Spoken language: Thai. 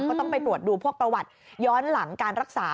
ก็ต้องไปตรวจดูพวกประวัติย้อนหลังการรักษา